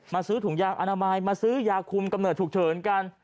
ซื้อถุงยางอนามัยมาซื้อยาคุมกำเนิดฉุกเฉินกัน